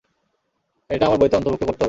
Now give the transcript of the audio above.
এটা আমার বইতে অন্তর্ভুক্ত করতে হবে।